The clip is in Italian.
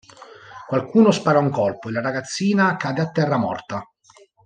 Qualcuno spara un colpo e la ragazzina cade a terra morta.